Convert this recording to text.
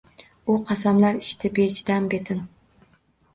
U qasamlar ichdi bechidam, betin